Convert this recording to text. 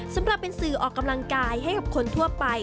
สำหรับเป็นสื่อออกกำลังกายให้กับคนทั่วไป